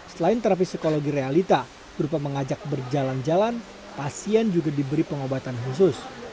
selain terapi psikologi realita berupa mengajak berjalan jalan pasien juga diberi pengobatan khusus